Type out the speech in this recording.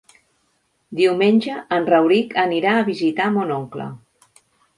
Diumenge en Rauric anirà a visitar mon oncle.